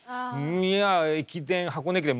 いや駅伝箱根駅伝